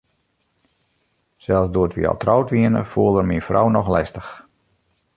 Sels doe't wy al troud wiene, foel er myn frou noch lestich.